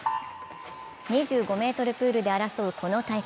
２５ｍプールで争うこの大会。